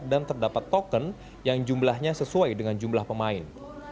terdapat token yang jumlahnya sesuai dengan jumlah pemain